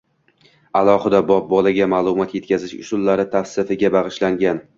alohida bob bolaga ma’lumot yetkazish usullari tavsifiga bag‘ishlangan.